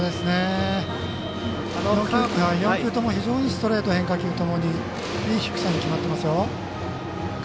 非常にいいストレート変化球ともにいい低さに決まってますよ。